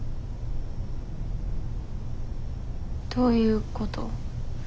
どういうこと？